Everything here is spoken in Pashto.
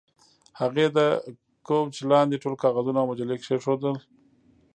هغې د کوچ لاندې ټول کاغذونه او مجلې کیښودې